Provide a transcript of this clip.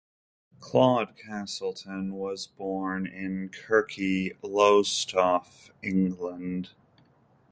Claud Castleton was born in Kirkey, Lowestoft, England.